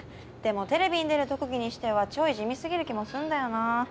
でもテレビに出る特技にしてはちょい地味すぎる気もすんだよな。